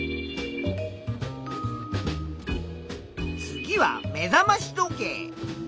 次は目覚まし時計。